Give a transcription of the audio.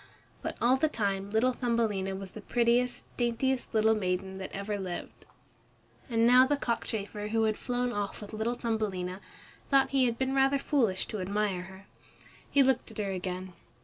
But all the time little Thumbelina was the prettiest, daintiest little maiden that ever lived. And now the cockchafer who had flown off with little Thumbelina thought he had been rather foolish to admire her. He looked at her again.